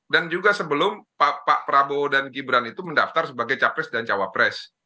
dan juga sebelum pak prabowo dan gibran itu mendaftar sebagai capres dan cawapres